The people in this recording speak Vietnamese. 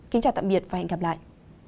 kính chào tạm biệt và hẹn gặp lại